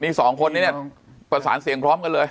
มีสองคนนี้เนี่ยประสานเสียงพร้อมกันเลย